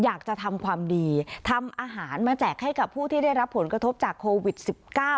อยากจะทำความดีทำอาหารมาแจกให้กับผู้ที่ได้รับผลกระทบจากโควิดสิบเก้า